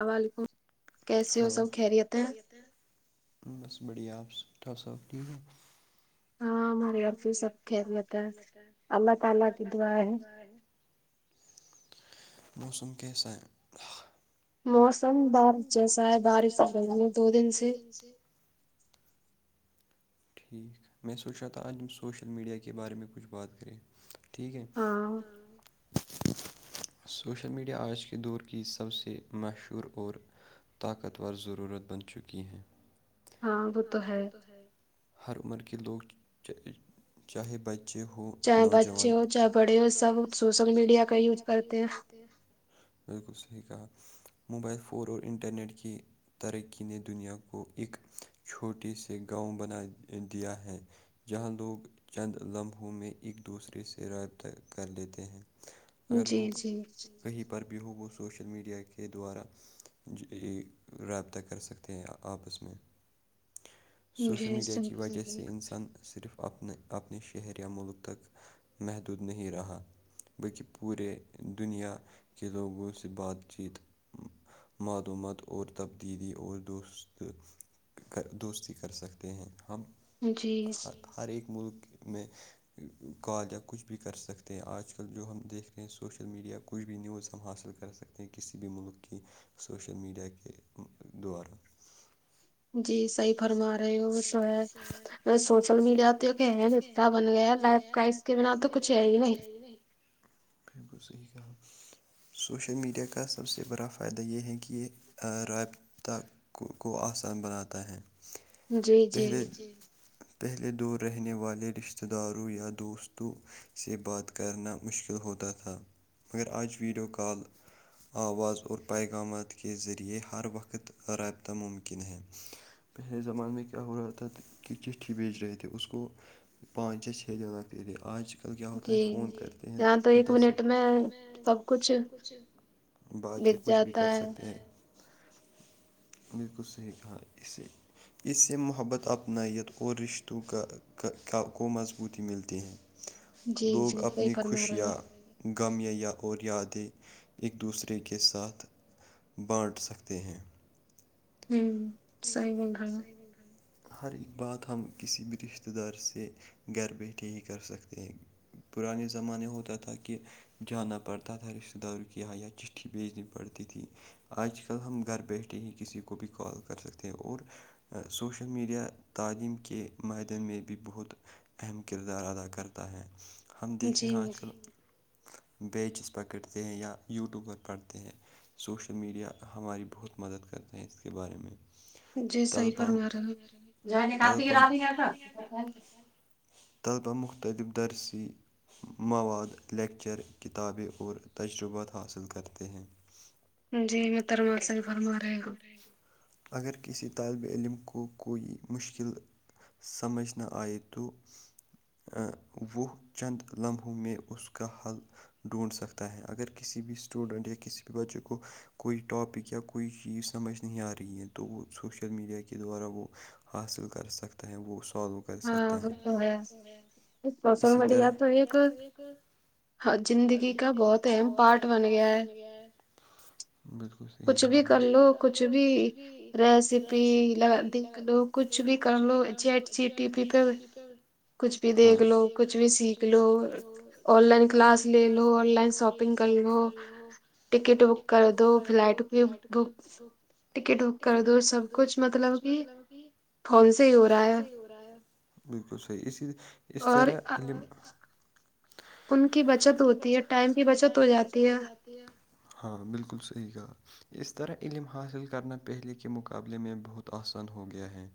اللام علیکم کیسے ہو سب خیریت ہیں بس بڑھیا آپ سب ٹھیک ہے ہاں ہماریے آف سب خبت ہے اللہ تعالا کی دعائ ہے موسم کے حس موسم بارش جیسا ہے بارش سے رہ میں دو دن سے ٹھیک میں سوچ رہا تھا آج ہم سوشل میڈیا کے بارے میں کچھ بات کریں ٹھیک ہے ہاں سوشل میڈیا آج کے دور کی سب سے مشہور اور طاقتور ضرورت بن چکی ہیں ہر عمر کے لوگ چاہے بچے ہوں نوجوان اچھے ہو چاہے بڑے ہو سب سوشل میڈیا کا ہی یوز کرتے ہیں بالکل صحیحات موبائل فون اور انٹرنیٹ کی ترقی نے دنیا کو ایک چھوٹی سےی گاؤں بنا دیا ہے جہاں لوگ چند لمحوں میں ایک دوسرے سے رابطہ کر لیتے ہیں اگر لوگ کہیں پر ب ہو وہ سوشل میڈیا کے دوارا رابطہ کر سکتے ہیں آپس میں سوشل میڈیا کی وجہ سے انسان صرف اپنے اپنے شہر یا ملک تک محدود نہیں رہا بلکہ پورے دنیا کہ لوگوں سے بات چیت معلومت اور تبدیلی اور دوست کر دوستی کر سکتے ہیں ہم ہر ہر ایک ملک میں کال یا کچھ بھی کر سکتے ہیں آج کل جو ہم دیکھ رہے ہیں سوشل میڈیا کچھ بھی نیوز ہم حاصل کر سکتے ہیں ستے ہیں کسی بھی ملک کی سوشل میڈیا کے دوارا جی صحیح فرما رہے ہو شو ہے سوشل میڈیا تو کہ ہے رتا بن گیا ل پرائز کے بنا تو کچھ ہے ہی نہیں [inaudible] بک صحیح کہا سوشل میڈیا کا سب سے بڑا فائدہ یہ ہے کہ ر ت کو کو آسان بناتا ہے پہلے پہلے دور رہنے والے رشتتے داروں یا دوستوں سے بات کرنا مشکل ہوتا تھا مگر آج ویڈیو کال آواز اور پیغامات کے ذریعے ہر وقت رابطہ ممکن ہے پہلے زمانے میں کیا ہو رہا تھا کہ چٹھی بیچ رہے تھے اس کو پانچ یا چھ د ر پے آج آج کل گیا ہوتا فون کرتے ہیں دس ایک مٹ میں سب کچھ بات یا کچھ بھی کر سکتے ہیں میرے کچھ صحی کہا اسی اس سے محبت اپنائیت اور رشتوں کا کو مضبوطی ملتی ہے لوگ اپنی خوشیاں غمیا اور یادیں ایک دوسرے کے ساتھ بانٹ سکتے ہیں ہوں ہوں صی گ ڈ ہر ایک بات ہم کسی بھی رشتتے دار سے گھر بیٹھے ہی کر سکتے ہیں پرانے زمانے ہوتا تھا کہ جانا پڑتا تھا رشتتے داروں کی ح یا چٹھی بھیجنی پڑتی تھی آج کل ہم گھر بیٹھے ہی کسی کو بھی کال کر سکتے ہیں اور سوشل میڈیا تعلیم کے معاہدے میں بھی بہت اہم کردار ادا کرتا ہے ہم دیکھتے ہیں آج کل بیچز پکڑتے ہیں یا یوٹیوب پر پڑھتے ہیں سوشل میڈیا ہماری بہت مدد کرتے ہیں اس کے بارے میں تل پم تال پم طلبہ مختلف درسی مواد لیکچر کتابیں اور تجربات حاصل کرتے ہیں جی میں ترمال س فرما رہی ہوں اگر کسی طالب علم کو کوئی مشکل سمجھ نہ آئی تو وہ چند لمحوں میں اس کا حل ڈھونڈ سکتا ہے اگر کسی بھی اسٹوڈنٹ یا کسی بھی بچے کو کوئی اپک یا کوئی چیز سمجھ نہیں آ رہی یہ تو وہ سوشل میڈیا کے دوارا وہ حاصل کر سکتا ہے وہ سالو کر سکتا ہے اسی طرح ہاں زندگی کا بہت اہم پارٹ بن گیا ہے [unintelligible] بالکل کچھ بھی کر لو کچھ بھی ریسیپی ل دگ لو کچھ بھی کر لو چیٹ چیٹی بھی تو کچھ بھی دیکھ لو کچھ بھی سیکھ لو آن لائن کلاس لے لو آن لائن شاپنگ شاپنگ کر وہ ٹکٹ بک کر دو فلائٹ بھی بک ٹکٹ بک کر دووں سب کچھ مطلب کہ ا بالکل صحیح اسی اس طرح علم ان کی بچت ہوتی ہے ٹائم کی بچت ہو جاتی ہے ہاں بالکل صحیح گ اس طرح علم حاصل کرنا پہلے کے مقابلے میں بہت آسان ہو گیا ہے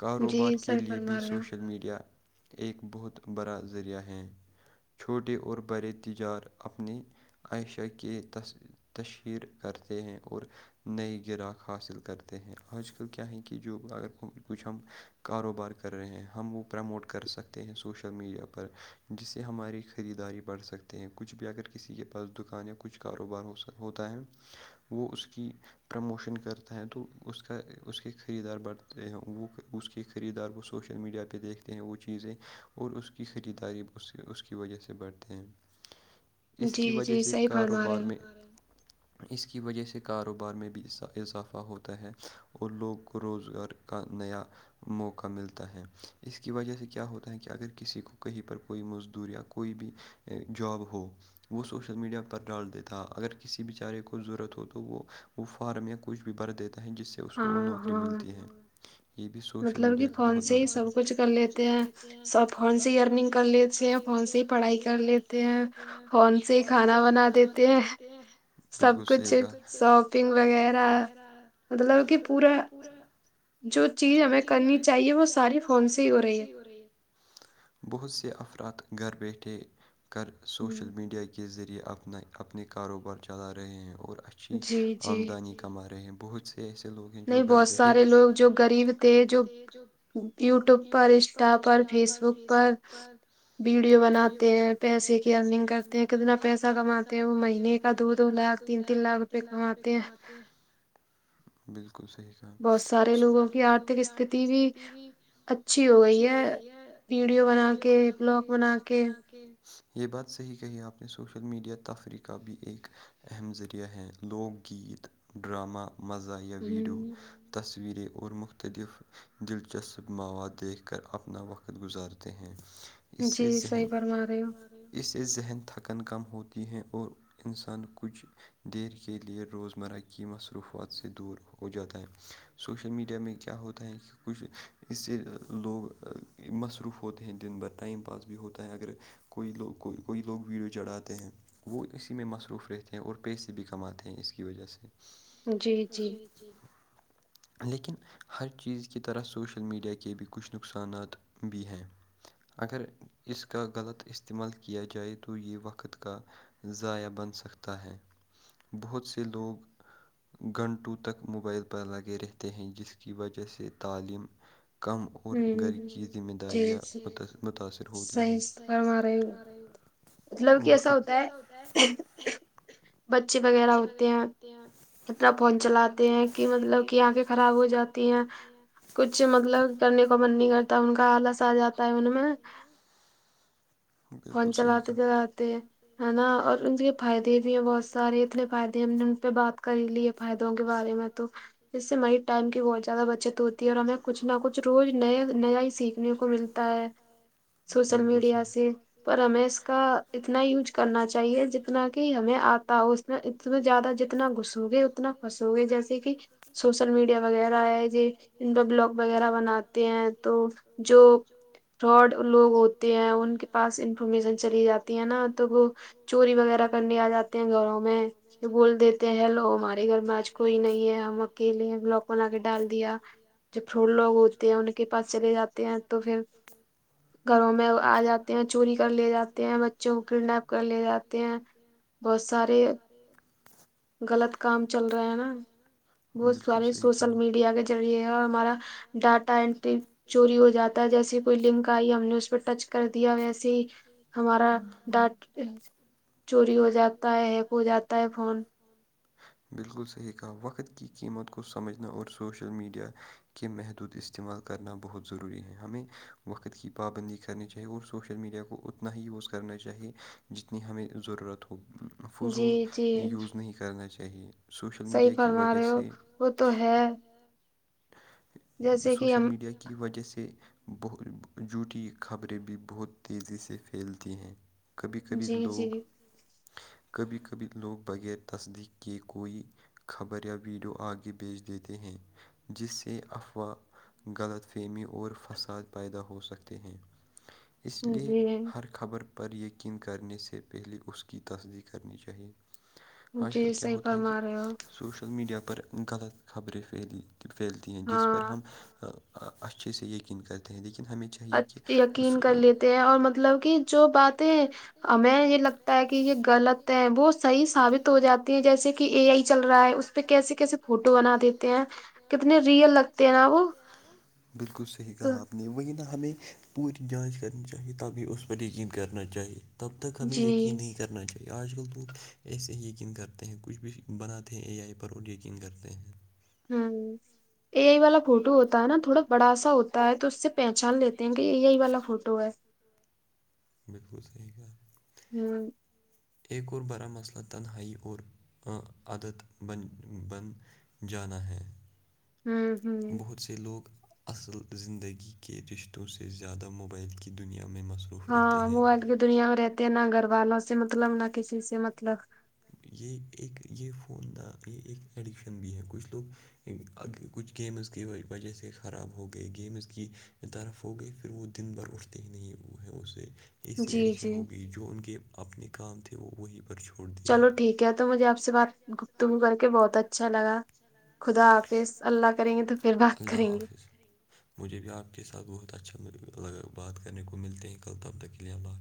کاروبار کے لیے بھی سوشل میڈیا ایک بہت بڑا ذریعہ ہے چھوٹے اور بڑے تجار اپنی عائشہ کے ت تشہیر کرتے ہیں اور نئی گراہک حاصل کرتے ہیں آج کل کیا ہے کہ جو اگر کچھ ہم کاروبار کر رہے ہیں ہم وہ پرموٹ کر سکتے ہیں سوشل میڈیا پر جس سے ہماری خریداری بڑھ سکتی ہیں کچھ بھی اگر کسی کے پاس دکان یا کچھ کاروبار ہو ہوتا ہے وہ اس کی پ پرموشن کر تا ہے تو کا اس کے خریدار بڑھتے ہیں وہ اس کے خریدار کو سوشل میڈیا پہ دیکھتے وہ چیزیں اور اس کی خریداری اس اس کی وجہ سے بڑھتے ہیں [unintelligible] اس کی وجہ سے کاروبار میں اس کی وجہ سے کاروبار میں بھی اضافہ ہوتا ہے اور لوگ کو روزگار کا نیا موقع ملتا ہے اس کی وجہ سے کیا ہوتا ہے کہ اگر کسی کو کہیں پر کوئی مزدور یا کوئی بھی جاب ہو وہ سوشل میڈیا پر ڈال دیتا اگر کسی بیچارے کو ضرورت ہو تو وہ وہ فارم یا کچھ بھی ب دیتا ہے جس سے اس کو نوکری ملتی ہے یہ بھی سوشل میڈیا کا بہت بڑ سب کچھ کر لیتے ہیں س ف اگ کر لیتے ہیں پڑھائی کر لیتے ہیں فون سے کھانا بنا دیتے ہیں سب کچھ شاپنگ وغیرہ وغیرہ مطلب کہ پورا جو چیز ہمیں کرنی چاہیے وہ ساری فون سے ہی ہو رہی ہے بہت سے افراد گھر بیٹھے کر سوشل میڈیا کے کے ذریعے اپنے کاروبار چلا رہے ہیں اور اچھی آمدنی کے کما رہے ہیں بہت سے ایسے لوگ ہیں جو گھر بیٹھے بہت سارے لوگ جو غریب تھے جو یو ٹیوب پر انسٹا پر فیس بک پر ویڈیو بناتے ہیں پیسے کی ارننگ کرتے ہیں کتنا پیسہ کماتے ہیں وہ مہینے کا دو دو لاکھ تین تین لاکھ روپئے کماتے ہیں بالکل صحی کام بہت سارے لوگوں کی آرتھک استتی بھی اچھی ہو گئی ہے ویڈیو بنا کے بلاگ بنا کے یہ بات صحیح کہی آپ نے سوشل میڈیا تفریح کا بھی ایک اہم ذریعہ ہیں لوک گیت ڈرامہ مزہ یا ویڈیو تصویریں اور مختلف دلچسپ مواد دیکھ کر اپنا وقت گزارتے ہیں اس سے ذہن اس سے ذہن تھکن کم ہوتی ہے اور انسان کچھ دیر کے لئے روزمرہ کی کی مصروفات سے دور ہو جاتا ہے سوشل میڈیا میں کیا ہوتا ہے کہ کچھ اس سے لوگ مصروف ہوتے ہیں دن بھر ٹائم پاس بھی ہوتا ہے اگر کوئی لوگ کو کوئی لوگ ویڈیو چڑھاتے ہیں وہ اسی میں مصروف رہتے ہیں اور پیسے بھی کماتے ہیں اس کی وجہ سے جی جی لیکن ہر چیز کی طرح سوشل میڈیا کے بھی کچھ نقصانات ب ہے اگر اس کا غلط استعمال کیا جائے تو یہ وقت کا ضائع بن سکتا ہے بہت سے لوگ [unintelligible] گھنٹوں تک موبائل پر لگے رہتے ہیں جس کی وجہ سے تعلیم کم اور گھر کی ذمہ داریاں بطس متاثر ہوتی ہیں مطلب کہ ایسا ہوتا ہے بچے وغیرہ ہوتے ہیں اتنا فون چلاتے ہیں کہ مطلب کہ آنکھیں خراب ہو جاتی ہیں کچھ مطلب کرنے کو من نہیں کرتا ان کا آلس آ جاتا ہے ان میں فون چلااتتے چلاتتے ہے نا اور ان کے فائدے بھی ہیں بہت سارے اتنے فائدے ہیں ہم نے ان پہ بات کر ہی لی ہے فائدوں کے بارے میں تو اس سے مائ ٹائم کی بہت زیادہ بچت ہوتی ہے اور ہمیں کچھ نہ کچھ روز نیا نیا ہی سیکھنے کو ملتا ہے سوشل میڈیا سے پر ہمیں اس کا اتنا یوج کرنا چاہیے جتنا کہ ہمیں آپ تو اس میں اتنا زیادہ جتنا گھسو گے اتنا پھنسو گے جیسے کہ سوشل میڈیا وغیرہ ہے ج ان پر بلاگ وغیرہ بناتے ہیں تو جو فراڈ لوگ ہوتے ہیں ان کے پاس انفارمیشن چلی جاتی ہے نا تو وہ چوری وغیرہ کرنے آ جاتے ہیں گھروں میں یہ بول دیتے ہیلو ہمارے گھر میں آج کوئی نہیں ہے ہم اکیلے ہم لوکن لا کے ڈال دیا جو فروٹ لوگ ہوتے ہیں ان کے پاس چلے جاتے ہیں تو پھر گھروں میں آ جات چوری کر لیے جاتے ہیں بچوں کو کڈنیپ کر لیے جاتے ہیں بہت سارے غلط کام چل رہا ہے نا بہت سارے سوشل میڈیا کے ذریعے ہے اور ہمارا ڈاٹا انٹری چوری ہو جاتا ہے جیسی کوئی لنک آئی ہم نے اس پہ ٹچ کر دیا ویسے ہمارا ڈاٹ چوری ہو جاتا ہے ہیک ہو جاتا ہے فون بالکل صحیح کہا وقت کی قیمت کو سمجھنا اور سوشل میڈیا کے محدود استعمال کرنا بہت ضروری ہے ہمیں وقت کی پابندی کرنی چاہیے اور سوشل میڈیا کو ہی یوز کرنا چاہیے جتنی ہمیں ضرورت ہو فضول یوز نہیں کرنا چاہیے سوشل میڈیا کی وجہ سے وہ تو ہے سوشل میڈیا کی وجہ سے ب جووٹی خبریں بھی بہت تیزی سے پھیلتی ہیں کبھی کبھی لوگ کبھی کبھی لوگ بغیر تصدیق کے کوئی خبر یا ویڈیو آگے بیچ دیتے ہیں جس سے اف غلط فہمی اور فساد پیدا ہو سکتے ہیں اس لیے ہر خبر پر یقین کرنے سے پہلے اس کی تصدیق کرنی چاہیے آج کل کیا ہوتا ہے کہ سوشل میڈیا پر غلط خبریں پھیلی پھیلتی ہیں جس ہم اچھے سے یقین کرتے ہیں لیکن ہمیں یقین کر لیتے ہیں اور مطلب کہ جو باتیں ہمیں یہ لگتا ہے کہ یہ غلط ہے وہ صحیح ثابت ہو جاتی ہیں جیسے کہ اے آئی چل رہا ہے اس پہ کیسے کیسے فوٹو بنا دیتے ہیں کتنے بالکل صحیح کہا آپ نے نہیں وہیں نہا ہمیں پوری جانچ کرنی چاہیے تاک بھی اس پر یقین کرنا چاہیے تبتک میں یقین کرنا چاہیے آج کل تووگ ایسے ہی یقین کرتے ہیں کچھ بھی بناتے ہیں اے آئی پر اور یقین کرتے ہیں ہوں ا آئی والا فوٹو ہوتا ہے نا تھوڑا بڑاسا ہوتا ہے تو اس سے پہچان لیتے ہیں کہ یہی والا فوٹو ہے بالکل صحیح کا ہوں اقور بڑا مسئلہ تنہائی اور عدد بن بن جانا ہے ہوں ہوں کہ لوگ اصل زندگی کے رشتوں سے زیادہ موبائل کی دنیا میں مسوع ہاں موبائل کی دنیا میں رہتے ہیں نہ گھر والوں سے مطلب نہ کسی سے مطلب یہ ایک یہ فون کا یہ ایک ایڈکشن بھی ہے کچھ لوگ کچھ گیمز کی وجہ سے خراب ہو گئی گیمز کی طرف ہو گئی پھر وہ دن بھر اٹھتے ہی نہیں وہ ہے اسے ایسی ایڈکشن ہو گئی جو ان کے اپنے کام تھے وہ وہیں پر چھو چلو ٹھیک ہے تو مجھے آپ سے بات گپتگ کر کے بہت اچھا لگا خدا حافظ اللہ کریں گے تو پھر بات کریں گے مجھے بھی آپ کے ساتھ بہت اچھا ل بات کرنے کو ملتے ہیں کل تب تک کے لیے اللہ